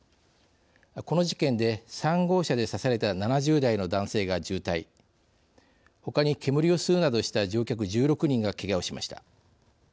この事件で３号車で刺された７０代の男性が重体ほかに煙を吸うなどした乗客１６人がけがをしました。